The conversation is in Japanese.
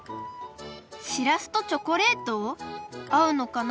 しらすとチョコレート？あうのかな？